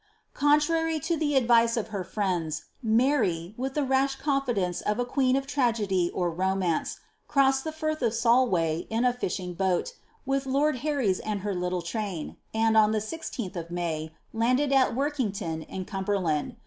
Contrary to the advice of her friends, Mary, with the rash confidence of a queen of tragedy or romance, crossed ihe Frith of Solway in ■ fishing boat, with lonl Herries and her little train, and, on the 16th erf' May, landed at Workington, in Cumberland.